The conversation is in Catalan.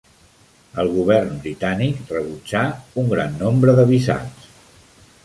El govern britànic rebutjà un gran nombre de visats.